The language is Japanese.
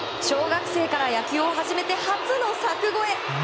小学生から野球を始めて初の柵越え！